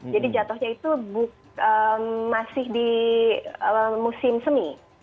jadi jatuhnya itu masih di musim semi